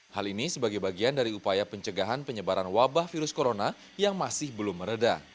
hal ini sebagai bagian dari upaya pencegahan penyebaran wabah virus corona yang masih belum meredah